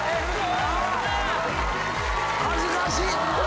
恥ずかしっ！